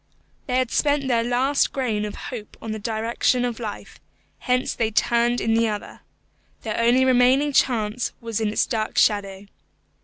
They had spent their last grain of hope on the direction of life; hence they turned in the other. Their only remaining chance was in its dark shadow.